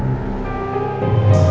jangan sampai aku kemana mana